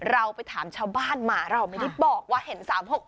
เราไปถามชาวบ้านมาเราไม่ได้บอกว่าเห็น๓๖๖